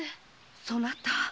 そなた